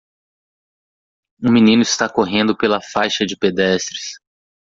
Um menino está correndo pela faixa de pedestres.